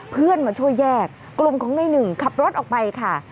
เพื่อนมาช่วยแยกกลุ่มของในหนึ่งขับรถออกไปค่ะ